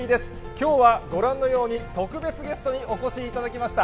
きょうはご覧のように、特別ゲストにお越しいただきました。